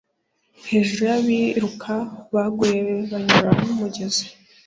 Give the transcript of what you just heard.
Hejuru yabiruka baguye banyura nkumugezi